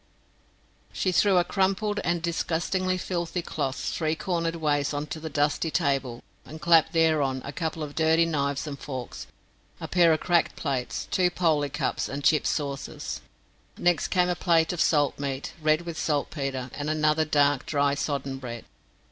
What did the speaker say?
She threw a crumpled and disgustingly filthy cloth three cornered ways on to the dusty table and clapped thereon a couple of dirty knives and forks, a pair of cracked plates, two poley cups and chipped saucers. Next came a plate of salt meat, red with saltpetre, and another of dark, dry, sodden bread.